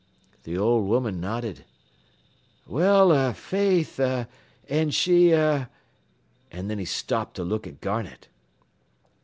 "The old woman nodded. "'Well er faith, an' she er,' an' thin he stopped to look at Garnett.